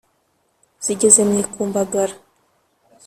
Zigeze mu ikumbagara !